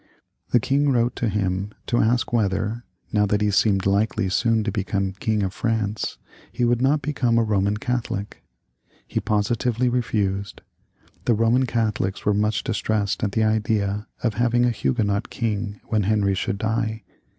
The king wrote to him to ask whether, now that he seemed likely soon to become king of France, he would not become a Boman Catholic. He entirely refused. The Boman Catholics were much distressed at the idea of having a Huguenot king when Heniy should die.